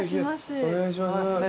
お願いします。